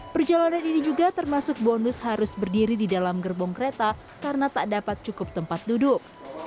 perjalanan ini juga termasuk bonus harus berdiri di dalam gerbong kereta karena tak dapat cukup tempat duduk